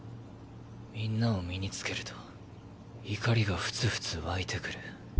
みんなを身につけると怒りが沸々湧いてくる。